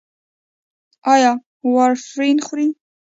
ایا وارفرین خورئ؟